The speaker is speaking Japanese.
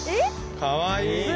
かわいい。